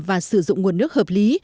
và sử dụng nguồn nước hợp lý